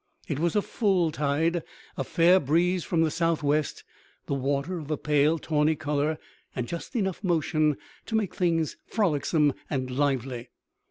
It was full tide, a fair breeze from the southwest, the water of a pale tawny color, and just enough motion to make things frolicsome and lively.